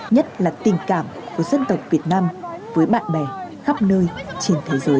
nhất là tình cảm của dân tộc việt nam với bạn bè khắp nơi trên thế giới